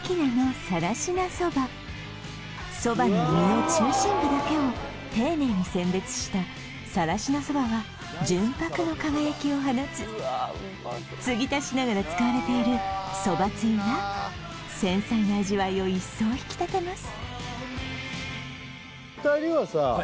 蕎麦の実の中心部だけを丁寧に選別した更科蕎麦は純白の輝きを放つつぎ足しながら使われている蕎麦つゆが繊細な味わいを一層引き立てます